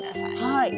はい。